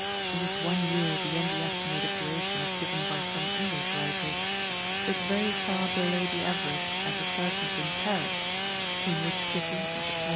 This is one year beyond the estimated duration as given by some English writers, but very far below the average, as ascertained in Paris, in which city, at the time M.